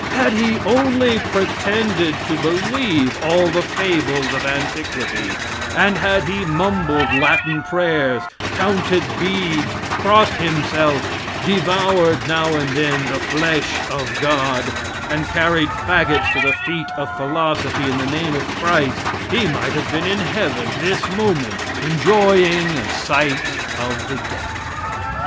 Had he only pretended to believe all the fables of antiquity, and had he mumbled Latin prayers, counted beads, crossed himself, devoured now and then the flesh of God, and carried fagots to the feet of Philosophy in the name of Christ, he might have been in heaven this moment, enjoying a sight of the damned.